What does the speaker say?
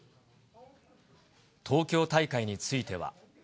東京大会については。